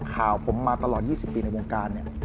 ข่าวผมมาตลอด๒๐ปีในวงการ